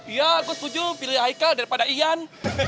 iya gue setuju pilih aikal daripada ian